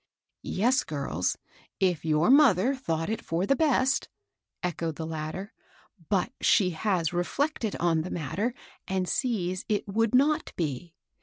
" Yes, girls, if your mother thought it for the best," echoed the latter ;" but she has reflected on the matter, and sees it would not be.